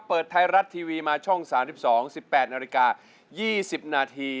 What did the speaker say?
เปิดไทยรัฐทีวีมาช่อง๓๒๑๘นาฬิกา๒๐นาที